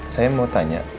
saya mau tanya